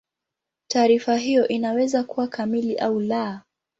Taarifa hiyo inaweza kuwa kamili au la.